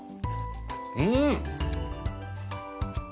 うん！